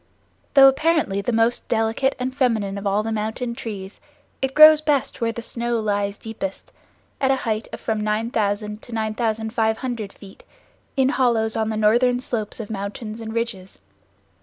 Though apparently the most delicate and feminine of all the mountain trees, it grows best where the snow lies deepest, at a height of from 9000 to 9500 feet, in hollows on the northern slopes of mountains and ridges.